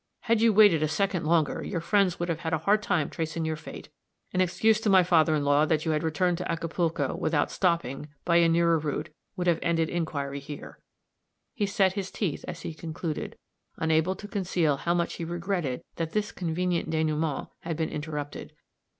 Had you waited a second longer, your friends would have had a hard time tracing your fate. An excuse to my father in law, that you had returned to Acapulco without stopping, by a nearer route, would have ended inquiry here." He set his teeth, as he concluded, unable to conceal how much he regretted that this convenient dénouement had been interrupted.